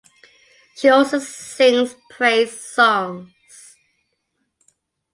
She also sings praise songs.